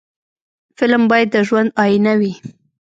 فلم باید د ژوند آیینه وي